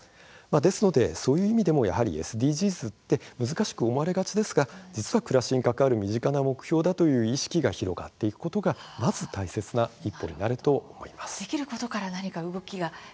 ですので、そういう意味でもＳＤＧｓって難しく思われがちですが実は暮らしに関わる身近な目標だということ意識が広がっていくことが大事な一歩になると思います。